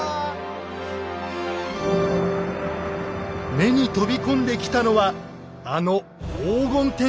目に飛び込んできたのはあの黄金天守。